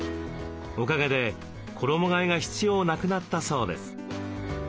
おかげで衣替えが必要なくなったそうです。